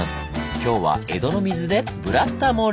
今日は江戸の水で「ブラタモリ」！